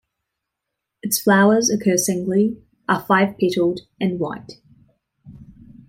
Its flowers occur singly, are five-petalled, and white.